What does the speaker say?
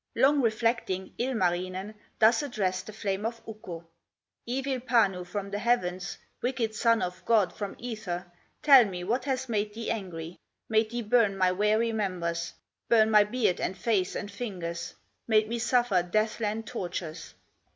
Long reflecting, Ilmarinen Thus addressed the flame of Ukko: "Evil Panu from the heavens, Wicked son of God from ether, Tell me what has made thee angry, Made thee burn my weary members, Burn my beard, and face, and fingers, Made me suffer death land tortures?"